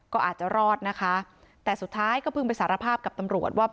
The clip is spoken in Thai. ก็อาจจะรอดนะคะแต่สุดท้ายก็เพิ่งไปสารภาพกับตำรวจว่า